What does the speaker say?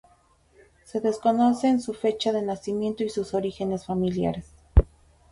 Se desconocen su fecha de nacimiento y sus orígenes familiares.